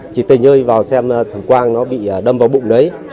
chị tình ơi vào xem thằng quang nó bị đâm vào bụng đấy